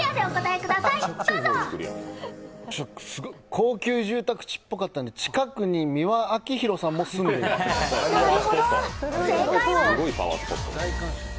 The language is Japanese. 高級住宅地っぽかったんで、近くに美輪明宏さんも住んでいる。